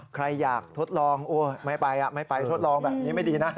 ใครอยากทดลองไม่ไปไม่ไปทดลองแบบนี้ไม่ดีนะ